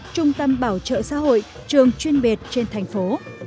trung tâm bảo trợ xã hội trường chuyên biệt trên thành phố